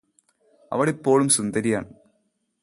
അവളിപ്പോളും സുന്ദരിയാണ്